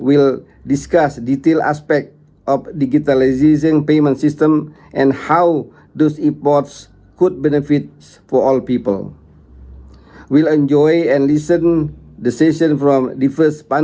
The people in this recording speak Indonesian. untuk memahami lebih banyak dan mendapatkan beberapa pengetahuan untuk masa depan